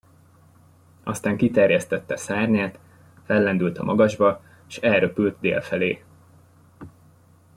Aztán kiterjesztette szárnyát, fellendült a magasba, s elröpült dél felé.